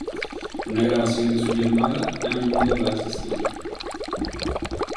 Una grabación de su llamada a menudo la hace salir.